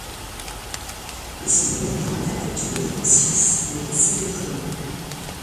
Mais une mini-tornade, douée de conscience en a décidé autrement.